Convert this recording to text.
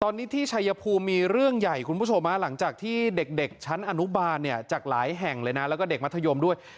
ตอนนี้ที่ชัยภูมิมีเรื่องใหญ่คุณผู้ชมหลังจากที่เด็กชั้นอนุบาลเนี่ยจากหลายแห่งเลยนะแล้วก็เด็กมัธยมด้วย